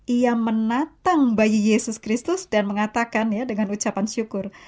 ia menatang bayi yesus kristus dan mengatakan ya dengan ucapan syukur